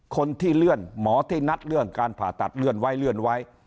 คนที่เลื่อนหมอที่นัดเรื่องการผ่าตัดเลื่อนไว้เลื่อนไว้